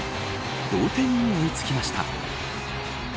同点に追い付きました。